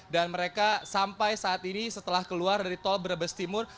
dan mereka sampai saat ini setelah keluar dari tol brebes timur